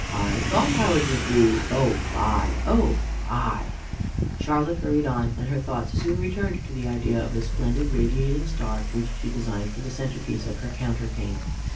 I thought how it would be! Oh, fie! Oh, fie!" Charlotte hurried on; and her thoughts soon returned to the idea of the splendid radiating star which she designed for the centerpiece of her counterpane.